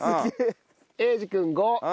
英二君５。